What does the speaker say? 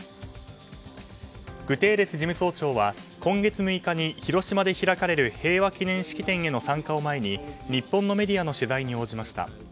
グテーレス事務総長は今月６日に広島で開かれる平和記念式典への参加を前に日本のメディアの取材に応じました。